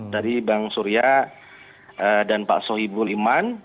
dari bang surya dan pak sohibur liman